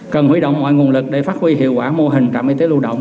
cần huy động mọi nguồn lực để phát huy hiệu quả mô hình trạm y tế lưu động